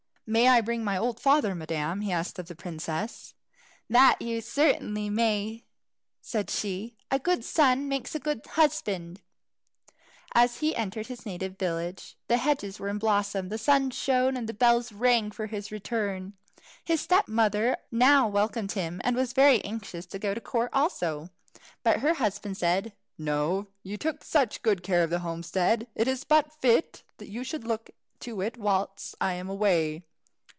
"May I bring my old father, madam?" he asked of the princess. "That you certainly may," said she. "A good son makes a good husband." As he entered his native village the hedges were in blossom, the sun shone; and the bells rang for his return. His stepmother now welcomed him, and was very anxious to go to court also. But her husband said, "No. You took such good care of the homestead, it is but fit you should look to it whilst I am away."